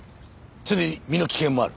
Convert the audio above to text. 常に身の危険もある。